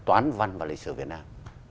toán văn và lịch sử việt nam